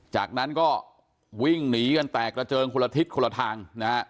จากนั้นก็วิ่งหนีกันแตกระเจิงคนละทิศคนละทางนะฮะ